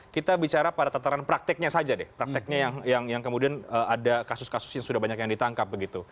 kita bicara pada tataran prakteknya saja deh prakteknya yang kemudian ada kasus kasus yang sudah banyak yang ditangkap begitu